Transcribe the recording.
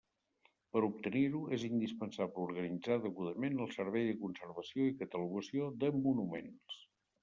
Per obtenir-ho, és indispensable organitzar degudament el Servei de conservació i catalogació de monuments.